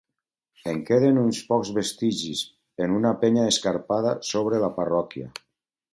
En queden uns pocs vestigis en una penya escarpada, sobre la parròquia.